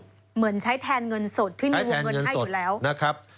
เหมือนใช้แทนเงินสดที่มีวงเงินให้อยู่แล้วนะครับ